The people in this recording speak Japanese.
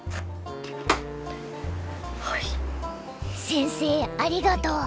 先生ありがとう。